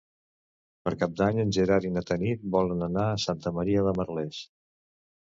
Per Cap d'Any en Gerard i na Tanit volen anar a Santa Maria de Merlès.